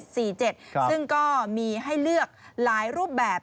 ซึ่งก็มีให้เลือกหลายรูปแบบ